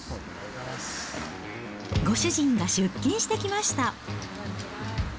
ご主人が出勤してきました。